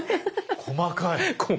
細かい。